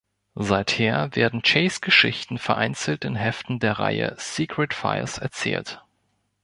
Seither werden Chase-Geschichten vereinzelt in Heften der Reihe "Secret Files" erzählt.